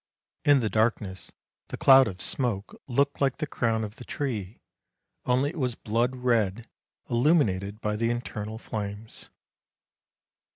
In the darkness the cloud of smoke looked like the crown of the tree, only it was blood red illuminated by the internal flames.